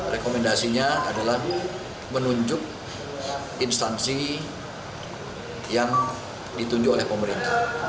rekomendasinya adalah menunjuk instansi yang ditunjuk oleh pemerintah